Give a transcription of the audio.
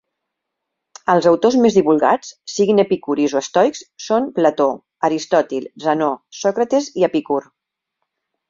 Els autors més divulgats, siguin epicuris o estoics, són Plató, Aristòtil, Zenó, Sòcrates i Epicur.